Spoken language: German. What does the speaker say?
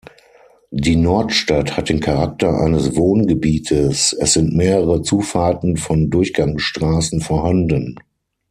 Die Nordstadt hat den Charakter eines Wohngebietes, es sind mehrere Zufahrten von Durchgangsstraßen vorhanden.